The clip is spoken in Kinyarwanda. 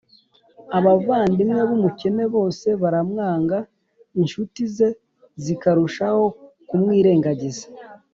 abavandimwe b’umukene bose baramwanga, incuti ze zikarushaho kumwirengagiza